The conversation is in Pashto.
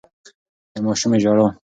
د ماشومې ژړا